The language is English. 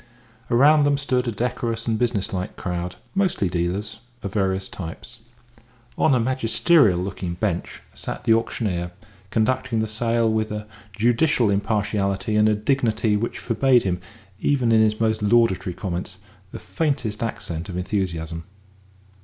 Around them stood a decorous and businesslike crowd, mostly dealers, of various types. On a magisterial looking bench sat the auctioneer, conducting the sale with a judicial impartiality and dignity which forbade him, even in his most laudatory comments, the faintest accent of enthusiasm.